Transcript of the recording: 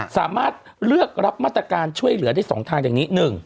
สามารถเลือกรับมาตรการช่วยเหลือได้๒ทางอย่างนี้